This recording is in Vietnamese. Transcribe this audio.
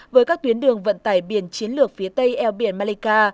với các tuyến đường vận tải biển chiến lược phía tây eo biển malika